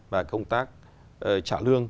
và công tác trả lương